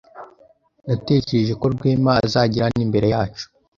Natekereje ko Rwema azagera hano imbere yacu.